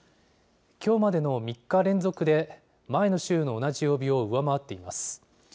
きょうまでの３日連続で前の週の同じ曜日を上回っています。